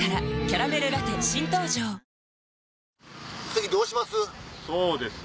次どうします？